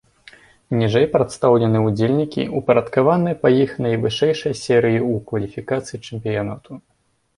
Ніжэй прадстаўлены ўдзельнікі, упарадкаваныя па іх найвышэйшай серыі ў кваліфікацыі чэмпіянату.